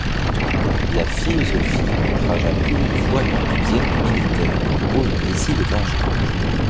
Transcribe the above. La philosophie outragea plus d'une fois l'enthousiasme militaire, osons ici le venger.